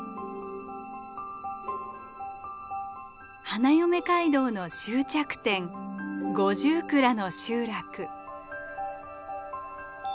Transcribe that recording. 花嫁街道の終着点五十蔵の集落。